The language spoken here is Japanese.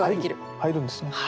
入るんですね。